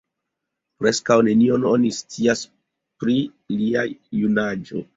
Preskaŭ nenion oni scias pri lia junaĝo.